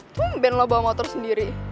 tumben lo bawa motor sendiri